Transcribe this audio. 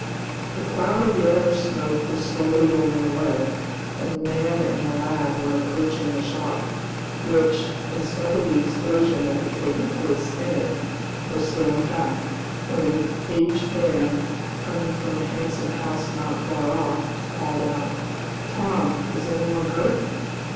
The cloud of yellowish smoke was slowly rolling away, and the man and lad were approaching the shop, which, in spite of the explosion that had taken place in it, was still intact, when an aged man, coming from a handsome house not far off, called out, "Tom, is anyone hurt?"